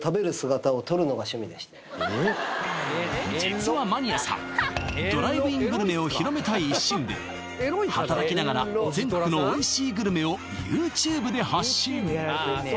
実はマニアさんドライブイングルメを広めたい一心で働きながら全国のおいしいグルメをＹｏｕＴｕｂｅで発信！